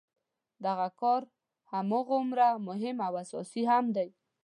دا کار هماغومره مهم او اساسي هم دی.